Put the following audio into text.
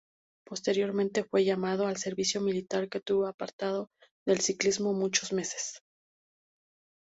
Posteriormente fue llamado al servicio militar que le tuvo apartado del ciclismo muchos meses.